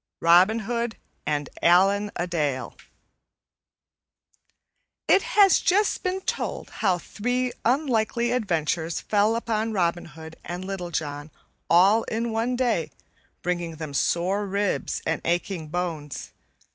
Robin Hood and Allan a Dale IT HAS just been told how three unlucky adventures fell upon Robin Hood and Little John all in one day bringing them sore ribs and aching bones.